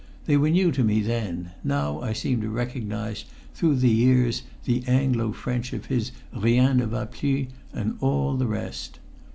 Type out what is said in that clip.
They were new to me then; now I seem to recognise through the years the Anglo French of his "rien ne va plus" and all the rest.